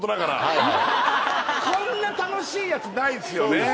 こんな楽しいやつないですよね。